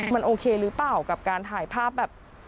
มันโอเคหรือเปล่ากับการถ่ายภาพแบบ